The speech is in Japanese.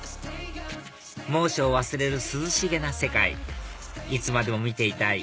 猛暑を忘れる涼しげな世界いつまでも見ていたい！